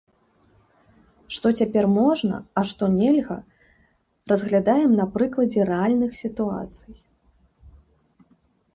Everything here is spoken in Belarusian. Што цяпер можна, а што нельга, разглядаем на прыкладзе рэальных сітуацый.